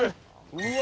うわ。